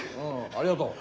ありがとう。